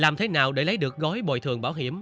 làm thế nào để lấy được gói bồi thường bảo hiểm